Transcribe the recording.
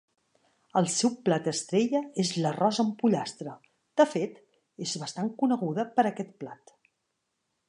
El seu plat estrella és l'arròs amb pollastre, de fet, és bastant coneguda per aquest plat.